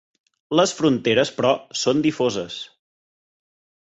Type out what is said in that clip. Les fronteres, però, són difoses.